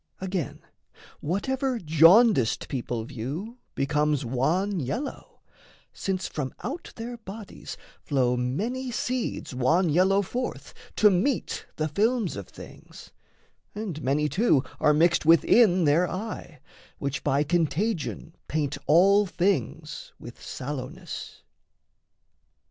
Again, whatever jaundiced people view Becomes wan yellow, since from out their bodies Flow many seeds wan yellow forth to meet The films of things, and many too are mixed Within their eye, which by contagion paint All things with sallowness.